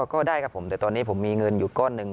ก็ได้ครับผมแต่ตอนนี้ผมมีเงินอยู่ก้อนหนึ่ง